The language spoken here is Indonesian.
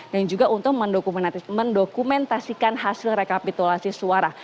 dan juga untuk mendokumentasikan hasil rekapitulasi suara